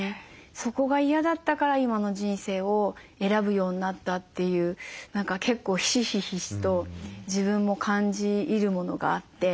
そこが嫌だったから今の人生を選ぶようになったという結構ひしひしと自分も感じ入るものがあって。